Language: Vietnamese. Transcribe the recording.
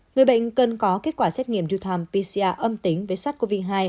người bệnh cần có kết quả xét nghiệm dutam pcr âm tính với sát covid hai